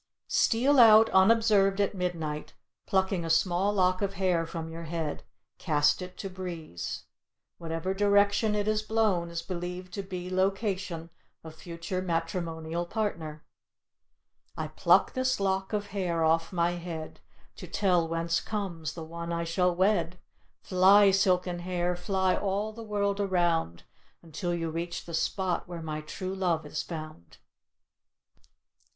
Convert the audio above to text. Steal out unobserved at midnight; plucking a small lock of hair from your head, cast it to breeze. Whatever direction it is blown is believed to be location of future matrimonial partner. "I pluck this lock of hair off my head To tell whence comes the one I shall wed. Fly, silken hair, fly all the world around Until you reach the spot where my true love is found."